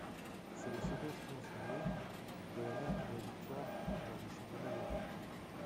C'est le second triomphe bleu de l'année après la victoire lors du championnat d'Europe.